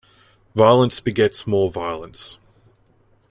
Violence begets more violence.